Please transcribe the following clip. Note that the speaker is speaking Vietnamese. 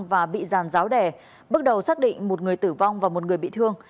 và bị dàn ráo đẻ bước đầu xác định một người tử vong và một người bị thương